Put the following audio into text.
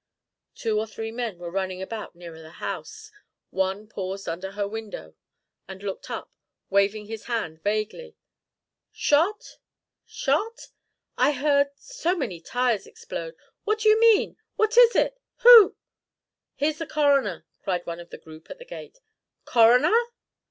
Two or three men were running about nearer the house. One paused under her window, and looked up, waving his hand vaguely. "Shot? Shot? I heard so many tires explode What do you mean? What is it? Who " "Here's the coroner!" cried one of the group at the gate. "Coroner?"